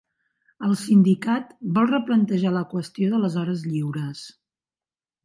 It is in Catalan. El sindicat vol replantejar la qüestió de les hores lliures.